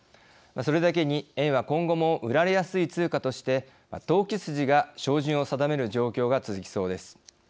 それだけに円は今後も売られやすい通貨として投機筋が照準を定める状況が続きそうです。